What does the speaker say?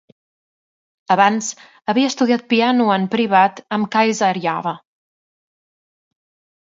Abans, havia estudiat piano en privat amb Kaisa Arjava.